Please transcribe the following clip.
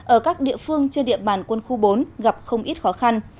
ở các địa phương trên địa bàn quân khu bốn gặp không ít khó khăn